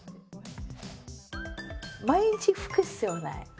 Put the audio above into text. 毎日拭く必要ない。